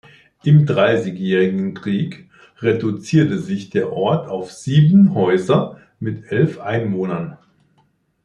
Im Dreißigjährigen Krieg reduzierte sich der Ort auf sieben Häuser mit elf Einwohnern.